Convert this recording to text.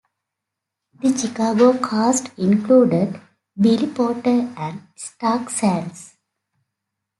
The Chicago cast included: Billy Porter and Stark Sands.